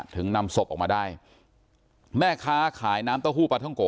นำศพออกมาได้แม่ค้าขายน้ำเต้าหู้ปลาท่องโก